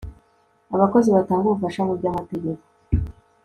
abakozi batanga ubufasha mu by'amategeko